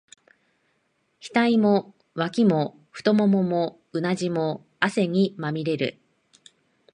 額も、脇も、太腿も、うなじも、汗にまみれる。